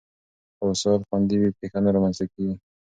که وسایل خوندي وي، پېښه نه رامنځته کېږي.